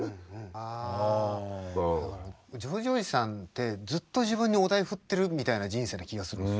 ジョージおじさんってずっと自分にお題振ってるみたいな人生な気がするんです。